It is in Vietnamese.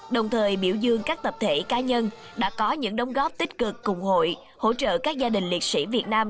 đồng thời biểu dương các tập thể cá nhân đã có những đóng góp tích cực cùng hội hỗ trợ các gia đình liệt sĩ việt nam